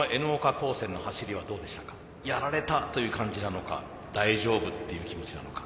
やられたという感じなのか大丈夫っていう気持ちなのか。